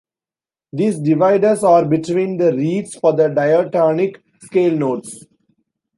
These dividers are between the reeds, for the diatonic scale notes.